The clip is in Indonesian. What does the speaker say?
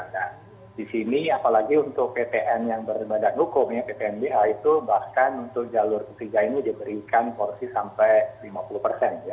nah di sini apalagi untuk ptn yang berbeda beda hukumnya ptn bh itu bahkan untuk jalur ketiga ini diberikan korsi sampai lima puluh ya